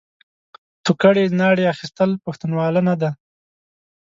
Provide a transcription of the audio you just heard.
توکلې ناړې اخيستل؛ پښتنواله نه ده.